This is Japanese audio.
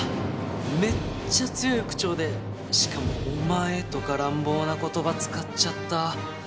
めっちゃ強い口調でしかも「お前」とか乱暴な言葉使っちゃった。